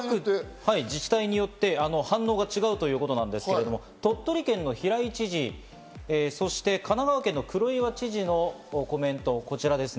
自治体によって反応が違うということなんですけれども、鳥取県の平井知事、そして神奈川県の黒岩知事のコメントがこちらです。